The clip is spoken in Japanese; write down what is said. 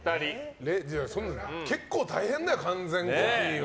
結構大変だよ、完全コピーは。